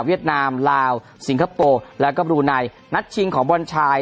นามลาวสิงคโปร์แล้วก็บรูไนนัดชิงของบอลชาย